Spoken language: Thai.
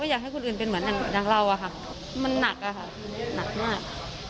อยากให้คนอื่นเป็นเหมือนอย่างเราอะค่ะมันหนักอะค่ะหนักมาก